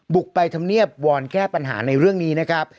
บุกไปทำเนียบวอนแก้ปัญหาในเรื่องนี้นะครับ